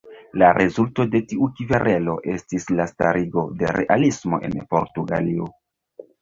La rezulto de tiu kverelo estis la starigo de realismo en Portugalio.